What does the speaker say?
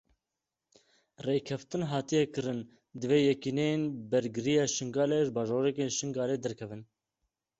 Rêkeftin hatiye kirin divê Yekîneyên Bergiriya Şingalê ji bajarokên Şingalê derkevin.